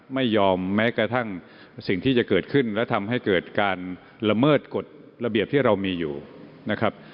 ไม่ยอมแม้กระทั่งสิ่งที่จะเกิดขึ้นและทำให้เกิดการละเมิดกฎระเบียบที่เรามีอยู่นะครับ